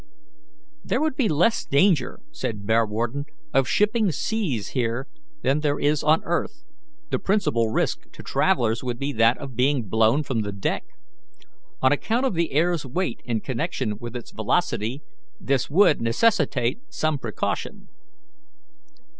"There would be less danger," said Bearwarden, "of shipping seas here than there is on earth; the principal risk to travellers would be that of being blown from the deck. On account of the air's weight in connection with its velocity, this would necessitate some precaution."